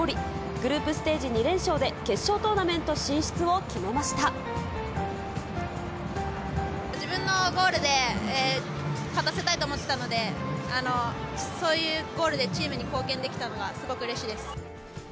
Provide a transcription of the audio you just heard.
グループステージ２連勝で、決勝トーナメント進出を決めまし自分のゴールで、勝たせたいと思ってたので、そういうゴールでチームに貢献できたのがすごくうれしいです。